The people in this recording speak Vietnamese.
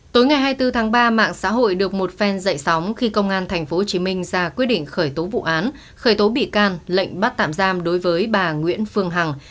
tối ngày hai mươi bốn tháng ba mạng xã hội được một phen dậy sóng khi công an tp hcm ra quyết định khởi tố vụ án khởi tố bị can lệnh bắt tạm giam đối với bà nguyễn phương hằng